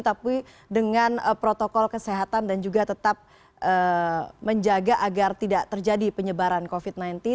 tapi dengan protokol kesehatan dan juga tetap menjaga agar tidak terjadi penyebaran covid sembilan belas